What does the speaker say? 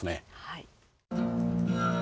はい。